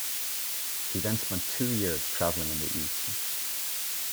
He then spent two years travelling in the East.